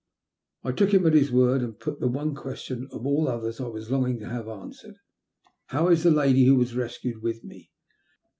I took him at his word, and put the one question of all others I was longing to have answered. How is the lady who was rescued with me?"